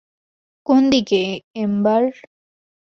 কোন দিকে, এম্বার।